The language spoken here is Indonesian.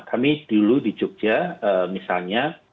kami dulu di jogja misalnya